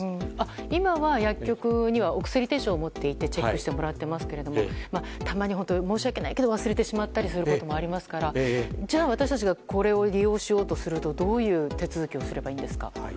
今は、薬局にはお薬手帳を持って行ってチェックしてもらっていますがたまに申し訳ないけど忘れてしまったりすることもありますからじゃあ、私たちがこれを利用するとしたらどういう手続きをすればいいんですか？